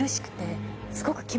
すごく。